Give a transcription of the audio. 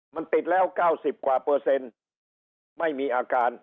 มันติดแล้ว๙๐กว่าเปอร์เซ็นต์ไม่มีอาการ